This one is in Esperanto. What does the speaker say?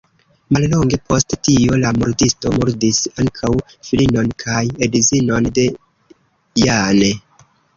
Mallonge post tio, la murdisto murdis ankaŭ filinon kaj edzinon de Jane.